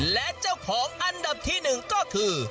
และเจ้าของอันดับที่๑ก็คือ